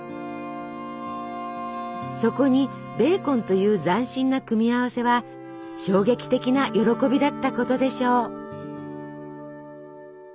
そこにベーコンという斬新な組み合わせは衝撃的な喜びだったことでしょう。